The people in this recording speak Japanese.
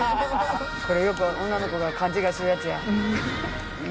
これよく女の子が勘違いするやつや。